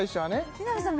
南さん